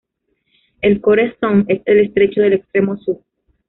El Core Sound es el estrecho del extremo sur.